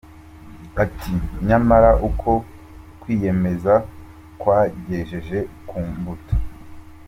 Ati “Nyamara uko kwiyemeza kwanjyejeje ku mbuto”.